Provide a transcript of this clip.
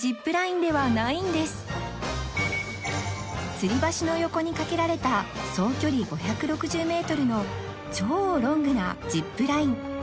つり橋の横にかけられた総距離５６０メートルの超ロングなジップライン